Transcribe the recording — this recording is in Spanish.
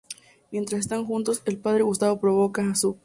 Mientras están juntos, el padre de Gustav provoca a Süß.